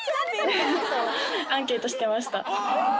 アンケートしてましたうわ！